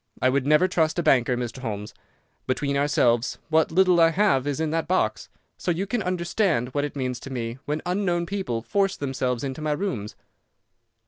I would never trust a banker, Mr. Holmes. Between ourselves, what little I have is in that box, so you can understand what it means to me when unknown people force themselves into my rooms."